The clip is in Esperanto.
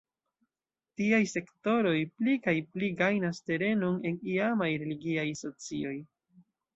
Tiaj sektoroj pli kaj pli gajnas terenon en iamaj religiaj socioj.